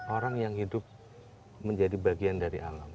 orang yang hidup menjadi bagian dari alam